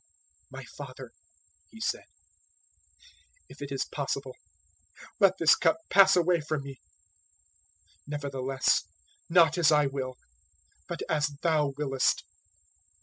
"My Father," He said, "if it is possible, let this cup pass away from me; nevertheless, not as I will, but as Thou willest."